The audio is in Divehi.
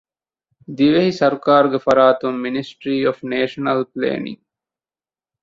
ދިވެހި ސަރުކާރުގެ ފަރާތުން މިނިސްޓްރީ އޮފް ނޭޝަނަލް ޕްލޭނިންގ،